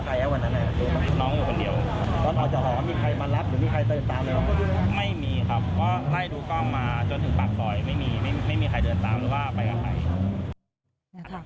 หาสาเหตุที่แท้จริงต่อไปค่ะ